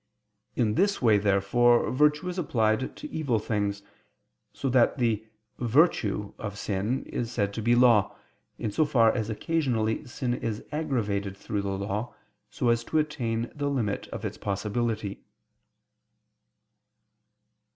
In this way therefore virtue is applied to evil things: so that the "virtue" of sin is said to be law, in so far as occasionally sin is aggravated through the law, so as to attain to the limit of its possibility.